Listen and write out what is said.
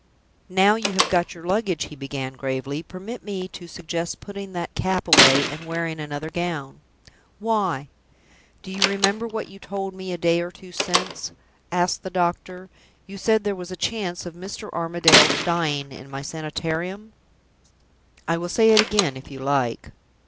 "Now you have got your luggage," he began, gravely, "permit me to suggest putting that cap away, and wearing another gown." "Why?" "Do you remember what you told me a day or two since?" asked the doctor. "You said there was a chance of Mr. Armadale's dying in my Sanitarium?" "I will say it again, if you like."